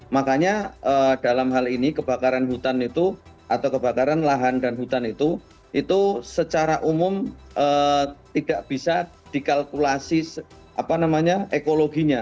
makanya dalam hal ini kebakaran hutan itu atau kebakaran lahan dan hutan itu itu secara umum tidak bisa dikalkulasi ekologinya